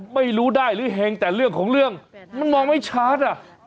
ไม่รู้ได้หรือเฮงแต่เรื่องของเรื่องมันมองไม่ชัดอ่ะ